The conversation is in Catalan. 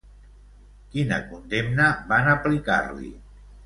Quina condemna van aplicar-li?